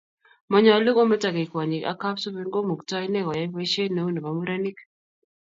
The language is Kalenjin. Monyolu kometo kei kwonyik ak kapsuben komuktoi née koyai boiset neu nebo murenik